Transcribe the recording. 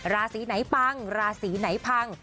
ราศีไหนปังราศีไหนพัง